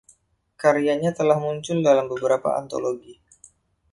Karyanya telah muncul dalam beberapa antologi.